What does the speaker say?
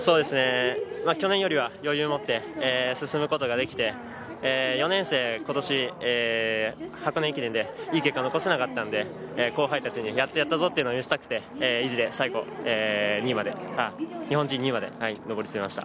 去年よりは余裕持って進むことができて４年生、今年箱根駅伝でいい結果を残せなかったので後輩たちにやってやったぞと見せてやりたくて、意地で最後、日本人２位まで上り詰めました。